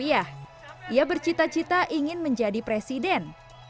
iya ia bercita cita ingin menjadi presiden